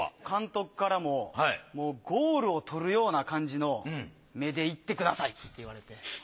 監督からもゴールをとるような感じの目でいってくださいって言われて。